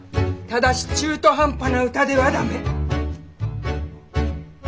ただし中途半端な歌では駄目。